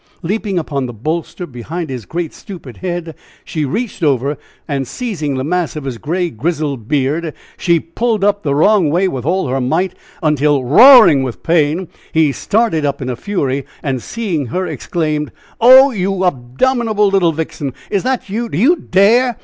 Leaping upon the bolster behind his great, stupid head, she reached over, and, seizing the mass of his gray, grizzly beard, she pulled up the wrong way with all her might, until, roaring with pain, he started up in a fury, and, seeing her, exclaimed: "Oh! you abominable little vixen! is that you: Do you dare!